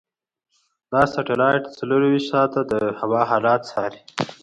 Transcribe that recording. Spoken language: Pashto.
دا سټلایټ څلورویشت ساعته د هوا حالت څاري.